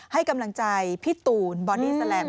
ให้กำลังใจพี่ตูนบอดี้แลม